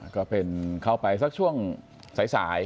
ก็เป็นเข้าไปสักช่วงสาย